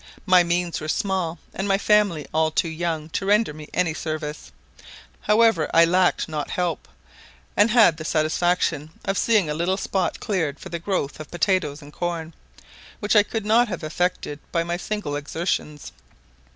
My means were small, and my family all too young to render me any service; however, I lacked not help, and had the satisfaction of seeing a little spot cleared for the growth of potatoes and corn, which I could not have effected by my single exertions.